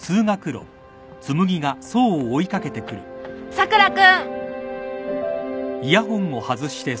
佐倉君！